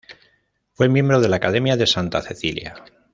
Fue miembro de la Academia de Santa Cecilia.